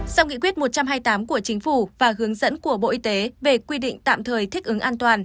sau nghị quyết một trăm hai mươi tám của chính phủ và hướng dẫn của bộ y tế về quy định tạm thời thích ứng an toàn